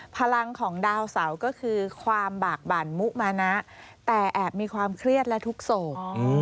พลังของดาวเสาก็คือความบากบั่นมุมานะแต่แอบมีความเครียดและทุกข์โศก